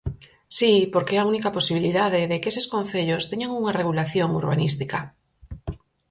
Si, porque é a única posibilidade de que eses concellos teñan unha regulación urbanística.